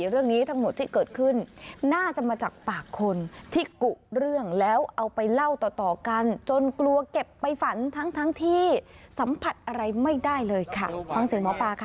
เรื่องนี้ทั้งหมดที่เกิดขึ้นน่าจะมาจากปากคนที่กุเรื่องแล้วเอาไปเล่าต่อต่อกันจนกลัวเก็บไปฝันทั้งทั้งที่สัมผัสอะไรไม่ได้เลยค่ะฟังเสียงหมอปลาค่ะ